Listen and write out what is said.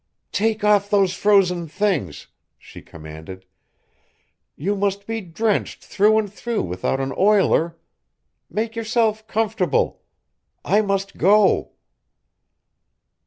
"Take off those frozen things!" she commanded; "you must be drenched through and through without an oiler. Make yourself comfortable. I must go!"